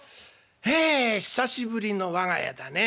はあ久しぶりの我が家だね。